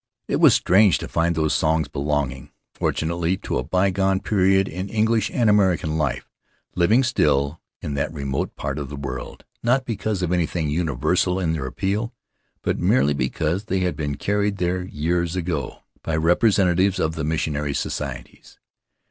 It was strange to find those songs, belonging, for tunately, to a bygone period in English and American life, living still in that remote part of the world, not because of anything universal in their appeal, but merely because they had been carried there years ago [321 In the Cloud of Islands by representatives of the missionary societies.